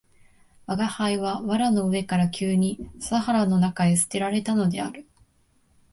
吾輩は藁の上から急に笹原の中へ棄てられたのである